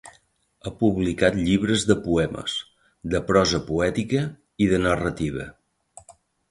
Ha publicat llibres de poemes, de prosa poètica i de narrativa.